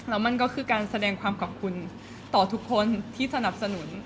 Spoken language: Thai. แล้วมันก็คือการแสดงความขอบคุณต่อทุกคนที่สนับสนุน